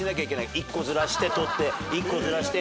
１個ずらして撮って１個ずらして。